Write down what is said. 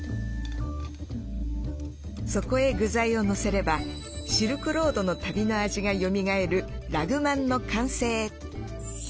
そこへ具材をのせればシルクロードの旅の味がよみがえるラグマンの完成。